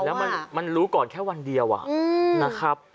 แล้วมันรู้ก่อนแค่วันเดียวนะครับ